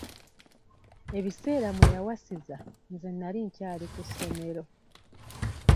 Ebiseera mmwe yawasiza nze nali nkyali ku ssomero.